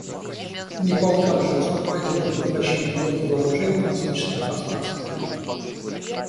Непал также выступает за предотвращение гонки вооружений в космическом пространстве.